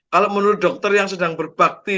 kalau menurut dokter yang sedang berbakti